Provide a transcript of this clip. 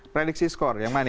prediksi skor yang mana